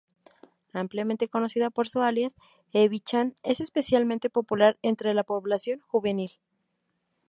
Ampliamente conocida por su alias "Ebi-chan", es especialmente popular entre la población juvenil.